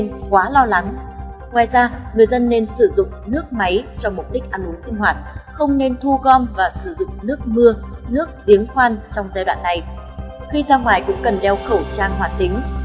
ngoài ra người dân nên sử dụng nước máy cho bán kính năm trăm linh m tính từ hàng rào công ty trong thời gian xảy ra cháy không nên quá lo lắng